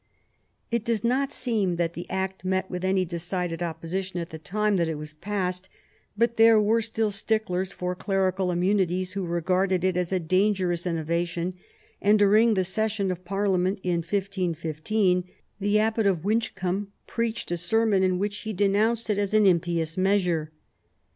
It does not seem that the Act met with any decided opposition at the time that it was passed ; but there were still sticklers for clerical immunities, who regarded it as a dangerous innovation, and during the session of Parliament in 1515 the Abbot of Winchcombe preached a sermon in which he denounced it as an impious measure.